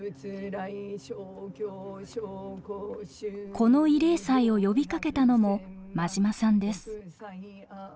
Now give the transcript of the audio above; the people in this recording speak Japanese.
この慰霊祭を呼びかけたのも馬島さんです。